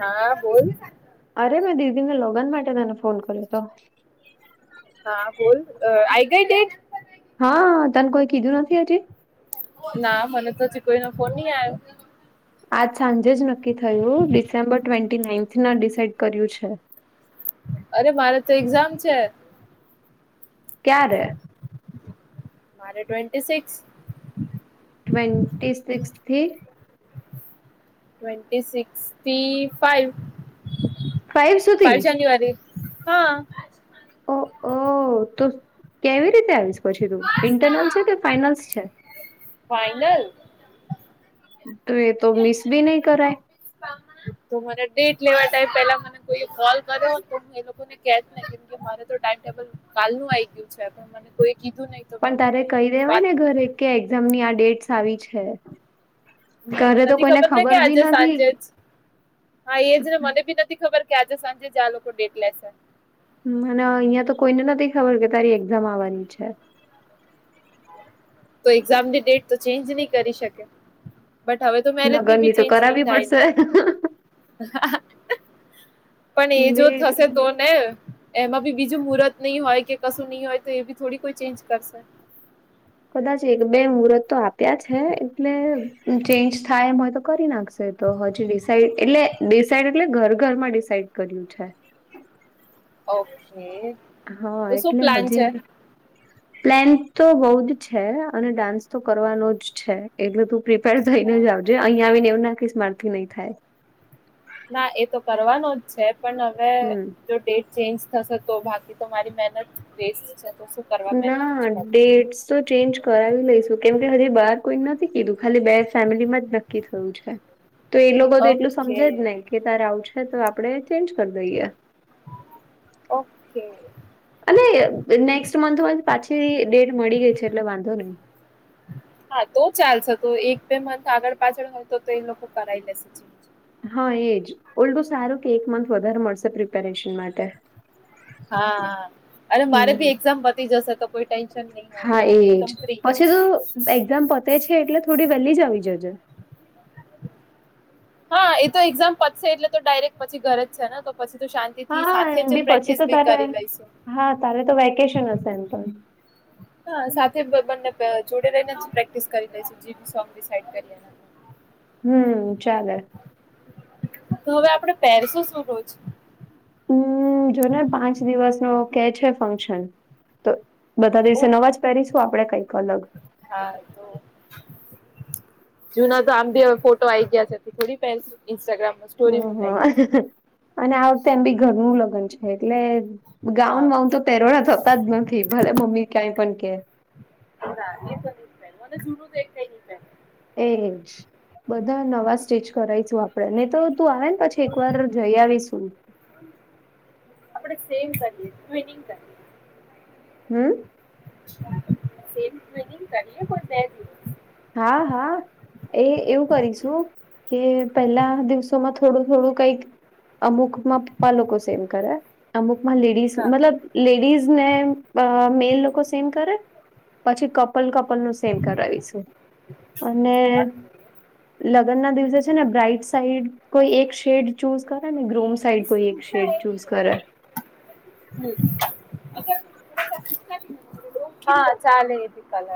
હા બોલ અરે મેં દીદીને લોગન માટે તને ફોન કર્યો હતો. હા બોલ આઈ ગઈ ડેટ હા તને કોઈ કીધું નથી હજી ના મને તોજી કોઈ ન ફોન નઈ આવ્યો. આજ સાંજે જ નક્કી થયું ડિસેમ્બર ટ્વેન્ટી નાઈન્થ ના ડિસાઇડ કર્યું છે. અરે મારે તો એક્ઝામ છે ક્યારે? મારે ટ્વેન્ટી સિક્સ. ટ્વેન્ટન્ટી સિક્સથી ટ્વેન્ટી સિકસથી ફાઇવ ફાઈ સુધી જાનુઆરી હા ઓ ઓ તો કેવી રીતે આવીશ ઇન્ટર્નલ કે ફાઇનલ છે. ફાઈનલ તો એ તો મિસ ભી નહી કરાય. તો મારે ડેટ લેવા ટાઈમ પેલા મને કોઈ કોલ કર્યો તો એ લોકો કેમ મારે તો ટાઈમટેબલ કાલ નું આ ગયું છે મને કોઈ કીધું નહી પણ તારે કહી દેવાય ને ઘરે કે એક્ઝામ ની આ ડેટ્સ આવી છે. મને ઘરે તો નથી કોઈને ખબર ને કે બી આજે નથી સાંજે જ હા એજ ને મને બી નથી ખબર. કે આજે સાંજે જ આ લોકો ડેટ લેશે. હ અને અહિયાં તો કોઈને નથી ખબર કે તારી એક્ઝામ આવવાની છે. તો એક્ઝામની ડેટ તો ચેન્જ નહી કરી શકે. બટ હવે તો મેરેજ ની લગ્નની બી તો ચેન્જ નહી કરાવવી થાય પડશે. તે. પણ એ બે જો થશે એટલે તો ને એમાં બી બીજું મુહર્ત નહી હોય કે કશું નહી હોય તો એ બી થોડી કોઈ ચેન્જ કરશે. કદાચ એક બે મુહૂર્ત તો આપ્યા છે એટલે ચેન્જ થાય એમ હોય તો કરી નાખશે. તો હજી ડિસાઈડ એટલે ડિસાઇડ એટલે ઘર ઘરમાં ડિસાાઈડ કર્યું છે. ઓકે હા તો શું એટલે પ્લાન છે? હજી પ્લેન તો બઉ જ છે અને ડાન્સ તો કરવાનો જ છે એટલે તું પ્રિપેર થઈને જ આવજે અહીંયા આવીને એવું ના કહીશ‌ મારાથી નહી થાય. ના એ તો કરવાનો જ છે પણ હવે હમ. જો ડેટ ચેન્જ થશે તો બાકી તો મારી મહેનત વેસટ છે. તો શું કરવા મહેનત ના જ કરું ડેટ્સ તો ચેન્જ કરાવી લઈશું કેમ કે હજી બાર કોઈ નથી કીધું ખાલી બે ફેમિલી માં જ નક્કી થયું છે. તો એ લોકો તો એટલું ઓકે સમજે જ નહી કે તારે આવું છે તો આપડે ચેજ કરી દઈએ. ઓકે અને‌ મંથ પાછી ડેટ મળી ગઈ છે એટલે વાંધો નહી. હા તો ચાલશે તો એક બે મથ આગળ પાછળ હોય તો તો એ લોકો કરાઈ લેશે. હા એજ ઓલડું સારું કે એક મંથ વધારે મળશે પ્રિપેરેશન માટે. હા અને મારે હમ ભી એક્ઝામ બતી જશે તો કોઈ ટેન્શન નહી હોય. હા એજ એકદમ ફ્રી પછી તો એક્ઝામ પતે છે એટલે થોડી વહેલી જ આવી જજે. હા એ તો એક્ઝામ પતશે એટલે તો ડાયરેક્ટ પછી ઘર જ છે ને તો પછી તો શાંત તેથી હા સાથે એમ જ બી પછી પ્રેક્ટિસ તો ભી તારે કરી લઈશું. હા તારે તો વેકેશન હશે એમ પણ હા સાથે બને જોડે લઈને જ પ્રેક્ટિસ કરી લઈશું જી સોંગિડ કરી. હમ્મ ચાલે. તો હવે આપડે પહેરશું શું રોજ? હમ્મ જોને પાંચ દિવસ નો કે છે ફંક્શન તો બધા ઓ દિવસે નવાજ પહેરીશું આપડે કઈક અલગ. હા તો. જુના તો આમ બી હવે ફોટો આઈ ગયા છે થોડી પહે ઇન્સ્ટાગ્રામ. હમ્મ હા અને આવતે એમ બી ઘરનું લગ્ન છે એટલે હા ગાઉન વાઉન તો પહેરોડા થતા જ નથી ભલે મમ્મી ક્યાંય પણ કે [unintelligible] એજ બધા નવા સ્ટેચ કરાઈશું આપડેને તો તું આવેને પછી એક વાર જઈ આવીશું. આપણે સેમ [inaudible] હમ્મ [inaudible] હા, હા. એ એવું કરીશું કે પેલા દિવસોમાં થોડું થોડું કઈક અમુકમાં પપ્પા લોકો સેમ કરે અમુકમાં લેડી હા મતલબ લેડીઝ ને મેલ લોકો સેમ કરે પછી કપલ કપલ નું સેમ કરાવીશું અને લગ્ન ના દિવસે છે ને બ્રાઈટ સાઈડ કોઈ એક શેડ ચૂઝ કર ને ગ્રુપ્સ સાઈડ કોઈ એક શેડ ચૂઝ કરે. અગર [unintelligible] હા ચાલે એ કલર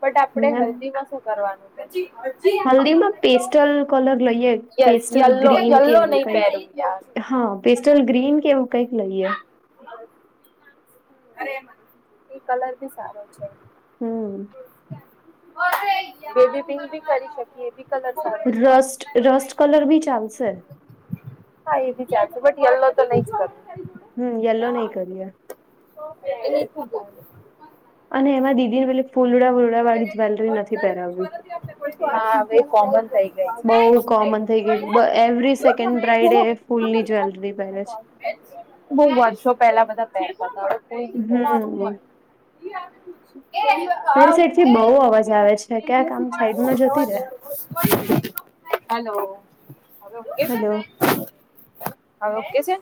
બટ આપડે ને હલ્દીમાં શું કરવાનું? [inaudible] હલ્દીમાં પેસ્ટલ કલર લઈએ yes pastel yellow green yellow કેવું નહી કઈક. પહેરવું યાર હા પેસ્ટલ ગ્રીન કેવું કઈક લઈએ. અરે એ કલર ભી સારો છે. હમ્મ બેબી પ બી કરી શકીએ કલર સારો છે. રસ્ટ રસ્ટ કલર બી ચાલ સે. હા એ બી ચચ બટ એ તો નઈ કર હમ્મ યલો નહી કરીએ એ [inaudible] અને એમાં દીદી ને પેલે ફૂલડા વુરડા વાળી જ્વેલરી નથી પહેરાવ્યૂ હા હવે કોમન થાય બઉુ કોમન થઇ ગઈ એવરી સેકન્ડ બ્રાઈડે ફૂલની જ્વેલરી પહેરે છે. બહ વર્ષો પેલા બધા પહેર તા હમ તારી તા. [inaudible] સાઈડ થી બઉુ અવાજ આવે છે ક્યા કામ પહેરતું. સાઈડમાં જોતી રે હલો હવે ઓકે છે હેલો હવે ઓકે છે.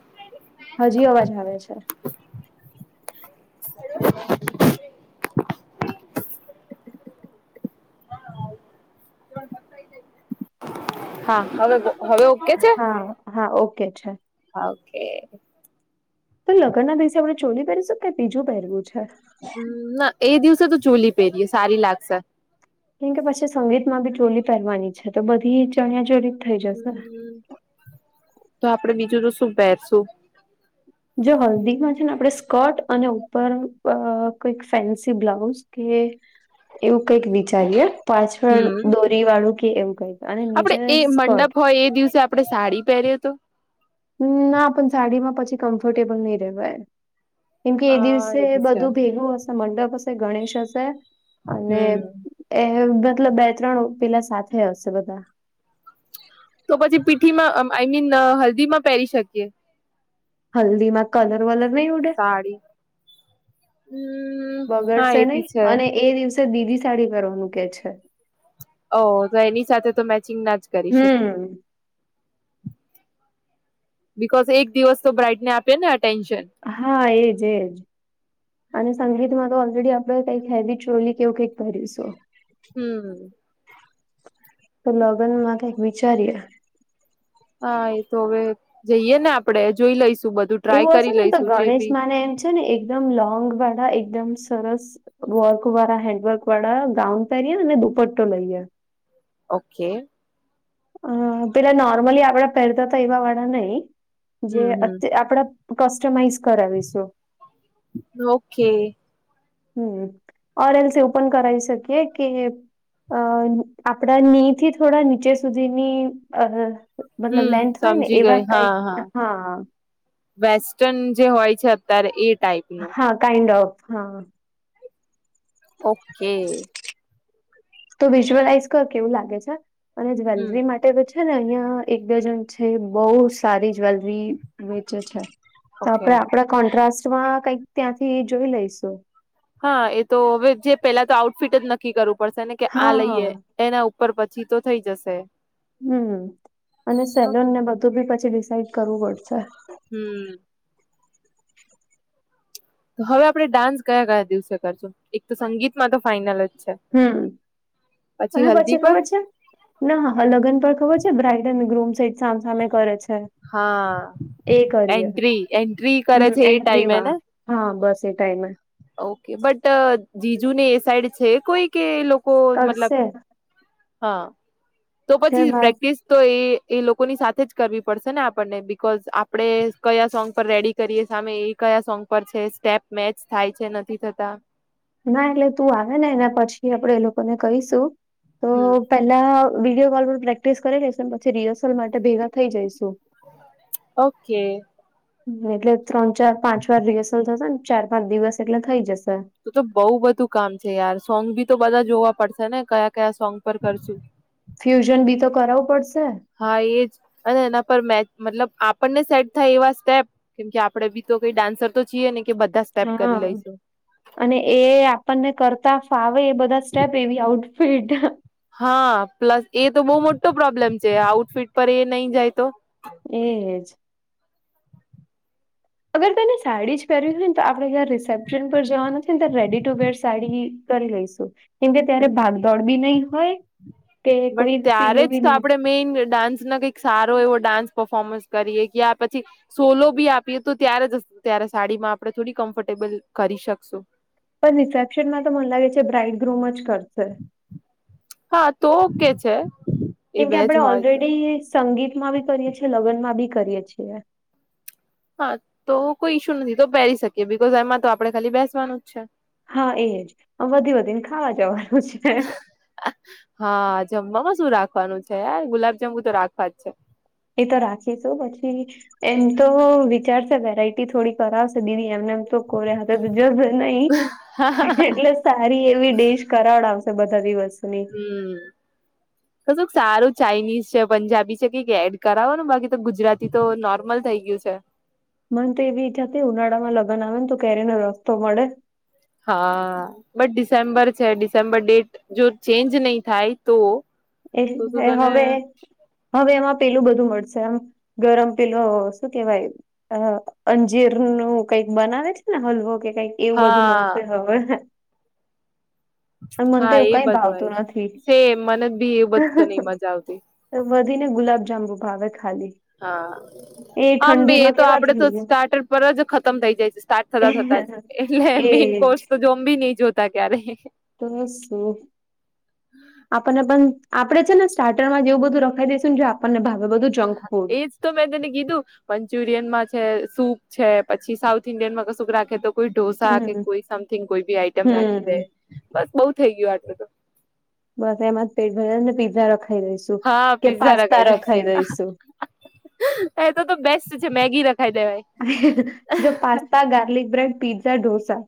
હજી અવાજ આવે છે. હ [inaudible] હા હવે હવે ઓકે હા હા ઓકે છે હાવે કે તો લગ્નના દિવસે આપણે ચોલી પહેરીશું કે બીજું પહેરવું છે. હમ ના એ દિવસે તો ચૂલી પહેરીએ સારી લાગશે કેમકે પછી સંગીત માં બી ટોલી પહેરવાની છે તો બધી ચણિયા ચોળ થઈ જશે હમ તો આપડે બીજું તો શું પહેરશું જો હલ્દીમાં છે ને આપણે સ્કર્ટ અને ઉપર કોઈક ફેન્સી બ્લાઉઝ કે એવું કઈક વિચારીએ પાછળ હમ દોરી વાળું કે એવું કઈક અને આપડે નીચે એ મંડપ સ્કર્ટ હોય એ દિવસે આપણે સાડી પહેર્યો તો ના પણ સાડી માં પછી કમ્ફર્ટેબલ નિહ રહેવાય કેમ કે એ હા દિવસે એ બી છે. બધું ભેગું હશે મંડપ હશે ગણેશ હશે અને હમ એ મતલબ બે ત્રણ પેલા સાથે હશે બધા તો પછી પીઠીમાં આઈ મીન હલ્દીમાં પહેરી શકીએ હલ્દી માં કલર વલર નહી ઉડે સાડી હમ હા બગડશે એ બી નહી છે અને એ દિવસે દીડી સાડી પેરવાનું કે છે ઓ તો એની સાથે તો મેચિંગ ના જ કરી શકીએ હમ બીકોઝ એક દિવસ તો બ્રાાઈડને આપે ને અટેન્શન હા એજ એજ અને સંગીત માં તો ઓલરેડી આપડે કઈક હેવી ચોલી કે એવું કઈક પહેરીશુ હમ તો લગ્ન મા કઈક વિચાર્યે હા એ તો હવે જઈએ ને આપડે જોઈ લઈશું બધું ટ્રાય એવું હશે કરી ને તો લઈશું જે ગણેશ બી માને એમ છે ને એકદમ લોંગ વાળા એકદમ સરસ વર્ક વાળા હેન્ડ વર્ક વાળા ગાઉન પહેરી્યા અને દુપટ્ટો લઈએ ઓકે અ પેલા નોર્મલી આપડા પહેરતા તો એવા વાળા નહી જે હમ હમ અત આપડા કસ્ટમાઈઝ કરાવીશું ઓકે હમ ઓર એલ્સ એવું પણ કરાવી શકીએ કે અ આપડા ની થી થોડા નીચે સુધીની અ હમ મતલબ લેન્થ હોય ને સમજી એવા ગઈ હા કઈક હા વેસ્ટર્ન જે હોય છે અત્યારે એ ટાઈપ નું હા કાંઈન્ડ ઓફ હા. ઓકે. તો વિઝ્યુઅલાઈઝ કર કે એવું લાગે છે અને હમ જ્વેલરી માટે પી છે ને અહિયાં એક બે જ્ણ છે બોહ સારી જ્વેલરી વેચે છે. તો ઓકે આપડે આપડા કોન્ટ્રાસ્ટ માં કઈક ત્યાંથી જોઈ લઈશું. હા એ તો હવે જે પેલા તો આઉટફિટ જ નક્કી કરવું પડશેને કે આ હા લઈએ. એના ઉપર પછી તો થઈ જશે. હમ અને સેલોન ઓકે ને બધું બી પછી ડિસઇડ કરવું પડશે. હમ. તો હવે આપણે ડાન્સ કયા કયા દિવસે કરશું એક તો સંગીતમાં તો ફાાઈનલ જ છે. હમ અને હલ્દી પછી પર ખબર છે. ના લગન પણ ખબર છે બ્રાઈડ એન્ડ ગ્રૂમ સહિત સામસામે કરે છે. હા એ કરીએ એન્ટ્રી એન્ટ્રી કરે હમ છે એ ટાઈઇમ એ એન્ટ્રીમાં ને. હા બસ એ ટાઈમ. ઓકે બટ જીજુ ને એ સાઈડ છે કોઈ કે લોકો મતલબ. કરશે હા તો છે પછી વાત પ્રેક્ટિસ. તો એ એ લોકોની સાથે જ કરવી પડશે ને આપણને બિકોઝ આપડે કયા સોંગ પર રેડી. કરીએ સામે એ કયા સોંગ પર છે સ્ટેપ મેચ થાય છે નથી થતા. ના એટલે તું આવે ને એના પછી આપણેે એ લોકોને કહીશું તો. હમ પેલા વિડીયો કોલ પર પ્રેક્ટિસ કરી લઈશ પછી રિહર્સલ માટે ભેગા થઈ જઈશુ. ઓકે. એટલે ત્રણ ચાર પાંચ વાર રિહર્સલ થશે ને ચાર પાંચ દિવસ એટલે થઈ જશે. તો તો બઉુ બધું કામ છે યાર સોંગ ભી તો બધા જોવા પડશે ને કયા કયા સોંગ પર કરશું. ફ્યુઝન બી તો કરાવું પડશે. હા એ જ અને એના પર મેચ મતલબ આપણને સેટ થાય એવા સ્ટેપ કેમ કે આપડે બી તો કઈ ડાન્સર તો છીએ ને કે બધા સ્ટેપ હા કરી લઈશું. અને એ આપણને કરતા ફાવે એ બધા સ્ટેપ એવી આઉટફિટ હા પ્લસ એ તો બહુ મોટો પ્રોબ્લેમ છે આઉટફિટ પર એ નહી જાય તો. એજ. અગર તને સાડી જ પહેર્યું હોય ને તો આપડણે જ્યાં રિસેપ્શન પર જવાનું છે ને ત રેડી ટુ બેર સાડી કરી લઈશું કેમકે ત્યારે ભાગદોડ બી નહી હોય કે બટ કોઈ ત્યારે પીલું જ બી તો નહી આપણે મેઈન ડાન્સ ના કંઈક સારો એવો ડાન્સ પર્ફોર્મન્સ કરીએ કે્યા પછી સોલો બી આપીએ તો ત્યારે જ ત્યારે સાડીમાં આપડણે થોડી કમ્ફર્ટેબલ કરી શકશું. પણ રિસેપ્શનમાં તો મને લાગે છે બ્રાઇટ ગ્રુમ જ કરશે. હા તો ઓકે છે. એ કેમકે બે આપણે જ હોય તો ઓલરેડી સંગીત માં બી કરીએ છીએ લગનમાં બી કરીએ છીએ. હા તો કોઈ ઇશ્યુ નથી તો પહેરી શકીએ બીકોઝ એમાં તો આપડણે ખાલી બેસવાનું જ છે. હા એજ વધી વધી ને ખાવા જવાનું છે. હા જમવામાં શું રાખવાનું છે યાર ગુલાબ જમમુ તો રાખવા જ છે. એ તો રાખીશું પછી એમ તો વિચારશે વેરાઈટી થોડી કરાવશે દીદી એમને એમ તો કોરે હાથે [unintelligible] નહી એટલે જ સારી એવી ડિશ કરાવડાવશે બધા દિવસ ની. કશુક સારું ચાઇનીઝ છે પંજાબી છે કઈક એડ કરાવો ને બાકી તો ગુજરાત તી તો નોર્મલ થઈ ગયું છે. મને તો એવી ઈચ્છા હતી ઉનાળામાં લગ્ન આવે ને તો કેરીનો રસ્તો મળે. હા બટ ડિસેમ્બર છે ડિસેમ્બર ડેટ જો ચેન્જ નહી થાય તો. એ તો તું એ તને હવે હવે એમાં પેલું બધું મળશે આમ ગરમ પેલું શું કેવાયું અ અંજીર નું કઈક બનાવે છે ને હલવો કે કઈક એવું હા બધું મળશે હવે. અને મને તો હા એવું એ કઈ બધું આઈ ભાવતું થીંક નથી સેમ મને ભી એવું બધું તો નઈ મજા આવતી. તો બધી ને ગુલાબ જાંબુ ભાવે ખાલી. હા. એ આમ બે એ ઠંડીમાં તો કેવા આપડે થઈ તો સ્ટાર્ટર પર જ ખતમ થઈ જાય છે સ્ટાર્ટ થતા થતા જ. ગયા એટલે મેન એજ કોર્સ તો જોમ બી નહી જોતા ક્યારે. તો ને શું આપણને પણ આપડે છે ને સ્ટાર્ટર માં જેવું બધું રખાઈ દઈશું ને જો આપણને ભાવે બધું જંક ફૂડ. એજ તો મેં તેને કીધું મંચુરિયનમાં છે સૂપ છે પછી સાઉથ ઈન્ડિયનમાં કશું રાખે તો કોઈ ઢોસા કે હમ કોઈ સમથિંગ કોઈ બી આઈટમ રાખી દે હમ બસ બઉુ થઈ ગયો આટલું તો. બસ એમાં જ પેટ ભર ને પીઝા રખાઈ દઈશું હા કે પીઝા પાસ્તા લગાવી દે રખાઈ દઈશું. [unintelligible] એ તો તો બેસ્ટ છે મેગી રા હે હે હે જો pasta garlic bread pizza dosa.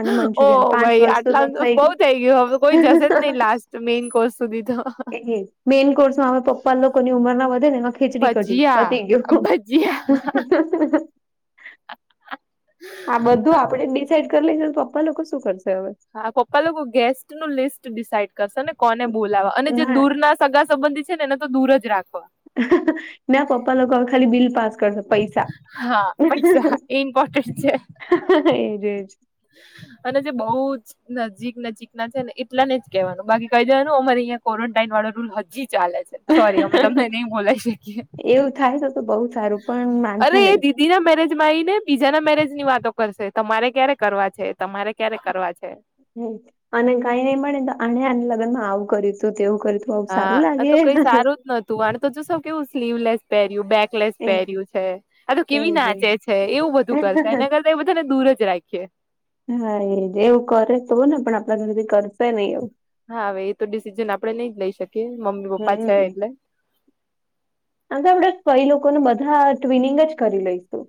અને ઓ મંચુરિયન પાંચ ભાઈ વસ્તુ આટલા તો થઈ બઉ થઇ ગયું હવે કોઈ જશે જ નહી લાસ્ટ મેન કોર્સ સુધી તો. એ કે મેન કોર્સમાંમે પપ્પા લોકોની ઉંમર ના વધે ને એમાં ખીચડી કઢી પતી ભજીયા ગયો. [unintelligible] [unintelligible] આ બધું આપડે ડિસાઇડ કરી લઈશું પપ્પા લોકો શું કરશે હવે. હા પપ્પા લોકો ગેસ્ટ નું લિસ્ટ ડિસઇડ કરશે ને કોને બોલાવા અને જે દૂર ના સગા સંબંધિત છે ને એને તો દૂર જ રાખવા. હા હા હા ના પપ્પા લોકો ખાલી બિલ પાસ કર સે પૈસા હા પૈસા એ ઇમ્પોર્ટન્ટ છે [unintelligible] હે હે હે એજ એજ. અને જે બહુ જ નજીક નજીક ના છે ને એટલા ને જ કેહેવાનું બાકી કહી દેવાનું અમારે અહીં ક્વરન્ટાાઈન વાળો રૂલ હજી ચાલે છે સોરી અમે તમને નહી બોલાવી શકીએ. એવું થાય છે તો બઉુ સારું પણ માનસે નહી. દીદી ના મેરેજ માં આવીઈ ને બીજા ના મેરેજ ની વાતો કરશે તમારે ક્યારેક કરવા છે તમારે ક્યારે કરવા છે. હ અને કઈ નઈ મળેને તો આને આ લગ્ન માં આવું કર હતું તેવું કરી તું. બઉ સારું લાગે. તું તો જો શૌ કેવું સ્લીવલેસ પર્યું બેકલેસ એ પહેર્યું છે આ તો કેવી એજ નાચે છે, એવું બધું કરશે એના કર એ બધાને દૂર જ રાખીએ. હા એ એવું કરે તો ને પણ આપણા ઘરેથી કરશે ને એવું. હા હવે એ તો ડિસિઝન આપડે નઈ જ લઈ શકીએ મમ્મી પપ્પા છે એટલે. આમકે આપણેે કઈ લોકોને બધા ટ્વિનિંગ જ કરી લઈશું.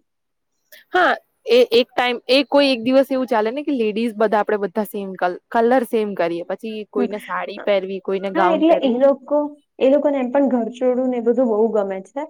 હા. એ એક ટાઈમ એ કોઈ એક દિવસ એવું ચાલે ને કે લેડીઝ બધા આપડે બધા સેમ કલર સેમ કરીએ. પછી કોઈને સાડી પહેરવી કોઈને હા ગાઉન એટલે એ પહેરવું. લોકો એ લોકોને એમ પણ ઘર છોડવું ને એ બધું બહુ ગમે છે.